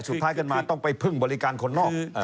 สุดท้ายขึ้นมาต้องไปพึ่งบริการคนนอก